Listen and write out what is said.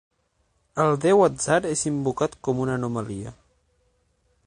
El déu Atzar és invocat com una anomalia.